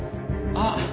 あっ！